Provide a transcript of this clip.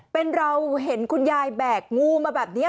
เป็นเราเห็นคุณยายแบกงูมาแบบนี้